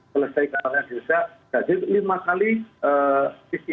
selesai karantina di indonesia jadi lima kali pcr